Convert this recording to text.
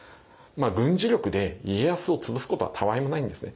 軍事力で家康を潰すことはたわいもないんですね。